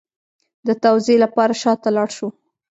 د توضیح لپاره شا ته لاړ شو